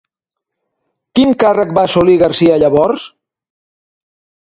Quin càrrec va assolir García llavors?